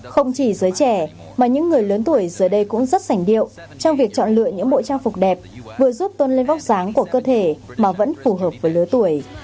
không chỉ giới trẻ mà những người lớn tuổi giờ đây cũng rất sảnh điệu trong việc chọn lựa những bộ trang phục đẹp vừa giúp tôn lên vóc dáng của cơ thể mà vẫn phù hợp với lứa tuổi